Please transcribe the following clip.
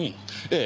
ええ。